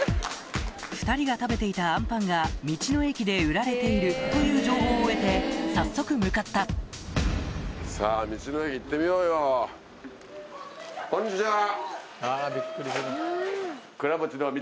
２人が食べていたあんパンが道の駅で売られているという情報を得て早速向かったこんにちは。